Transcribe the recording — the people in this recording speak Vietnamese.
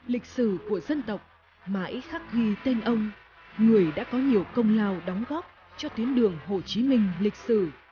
lịch sử của dân tộc mãi khắc ghi tên ông người đã có nhiều công lao đóng góp cho tuyến đường hồ chí minh lịch sử